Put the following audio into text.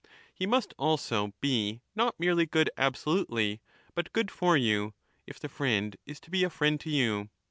He must also be not merely good absolutely but good for you, if the ^ friend is to be a friend 5 to you.